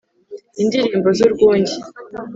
indilimbo z’urwunge,